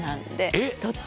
えっ！？